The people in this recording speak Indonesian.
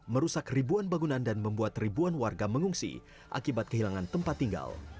merusak ribuan bangunan dan membuat ribuan warga mengungsi akibat kehilangan tempat tinggal